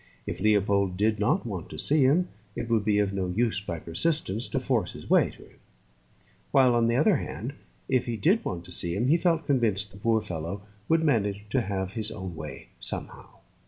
If Leopold did not want to see him, it would be of no use by persistence to force his way to him; while on the other hand, if he did want to see him, he felt convinced the poor fellow would manage to have his own way somehow.